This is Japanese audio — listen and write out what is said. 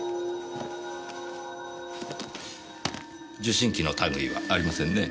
受信機の類はありませんね。